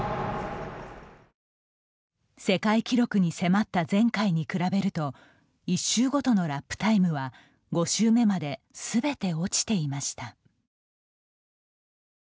世界記録に迫った前回に比べると１周ごとのラップタイムは５周目まですべて落ちていました。